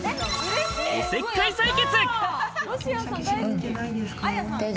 おせっかい採血！